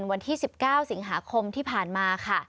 วันที่๑๙สิงหาคมที่ผ่านมาค่ะ